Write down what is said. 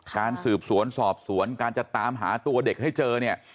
การสืบสวนสอบสวนการจะตามหาตัวเด็กให้เจอเนี่ย